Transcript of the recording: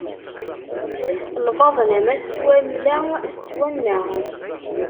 Lbaḍna ma tettwamla, tettwanna.